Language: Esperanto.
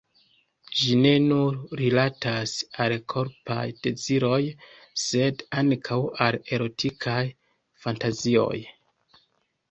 Ĝi ne nur rilatas al korpaj deziroj, sed ankaŭ al erotikaj fantazioj.